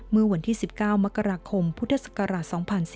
เมื่อวันที่๑๙มกราคมพุทธศักราช๒๔